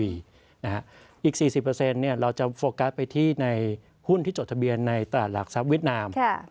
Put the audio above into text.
อีก๔๐เราจะโฟกัสไปที่ในหุ้นที่จดทะเบียนในตลาดหลักทรัพย์เวียดนาม